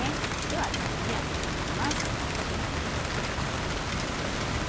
ではザルに上げて行きます。